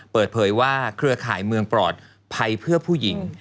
เปิดเผยว่าเครือข่ายเมืองปลอดภัยเพื่อผู้หญิง